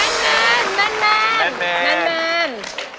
โอเคแมน